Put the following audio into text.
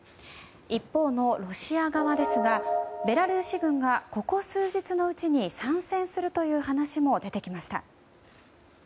一方のロシア側ですがベラルーシ軍がここ数日のうちに参戦するという話も出てきました。